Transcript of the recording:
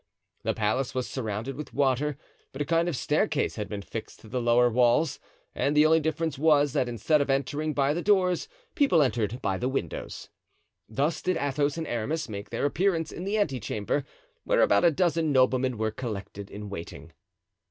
The palace was surrounded with water, but a kind of staircase had been fixed to the lower walls; and the only difference was, that instead of entering by the doors, people entered by the windows. Thus did Athos and Aramis make their appearance in the ante chamber, where about a dozen noblemen were collected in waiting.